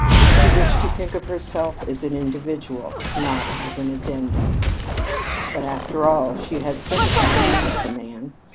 She wished to think of herself as an individual, not as an addendum. But, after all, she had sympathized with the man.